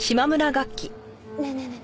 ねえねえねえねえ。